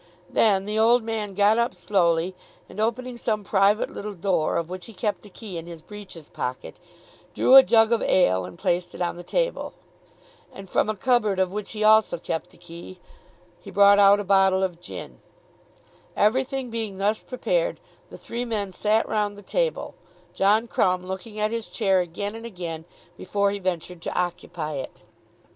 Then the old man got up slowly and opening some private little door of which he kept the key in his breeches pocket, drew a jug of ale and placed it on the table. And from a cupboard of which he also kept the key, he brought out a bottle of gin. Everything being thus prepared, the three men sat round the table, John Crumb looking at his chair again and again before he ventured to occupy it.